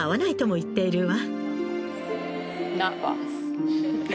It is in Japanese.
言っているわ。